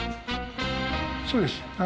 そうです。